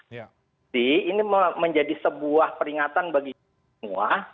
jadi ini menjadi sebuah peringatan bagi semua